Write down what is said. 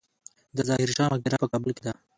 د ظاهر شاه مقبره په کابل کې ده